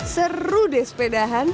seru deh sepedahan